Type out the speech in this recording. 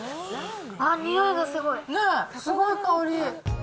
すごい香り。